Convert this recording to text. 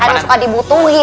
kalian suka dibutuhin